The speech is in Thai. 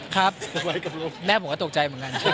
ครับแม่ผมตกใจ